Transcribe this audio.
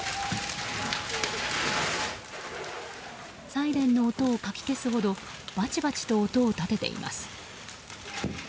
サイレンの音をかき消すほどバチバチと音を立てています。